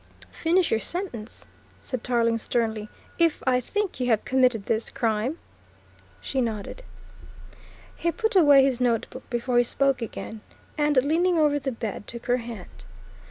"Finish your sentence," said Tarling sternly. "If I think you have committed this crime?" She nodded. He put away his notebook before he spoke again, and, leaning over the bed, took her hand.